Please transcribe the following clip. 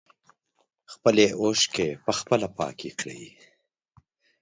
خپلې اوښکې په خپله پاکې کړئ.